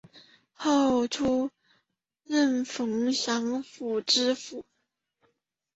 后出任凤翔府知府。